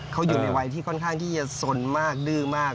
เขาอยู่ในวัยที่ค่อนข้างที่จะสนมากดื้อมาก